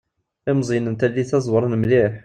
Ilmeẓiyen n tallit-a ẓewṛen mliḥ.